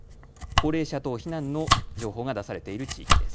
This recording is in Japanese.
高齢者等避難の情報が出されている地域です。